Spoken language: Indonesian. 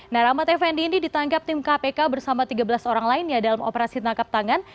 nah rahmat effendi ini ditangkap tim kpk bersama tiga belas orang lainnya dalam operasi tangkap tangan